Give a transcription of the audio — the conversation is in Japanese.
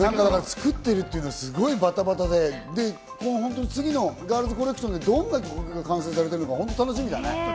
作ってるのはバタバタで、本当に次のガールズコレクションの時、どんな曲が完成されているのか、楽しみだね。